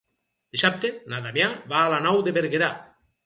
Dissabte na Damià va a la Nou de Berguedà.